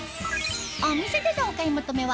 お店でのお買い求めは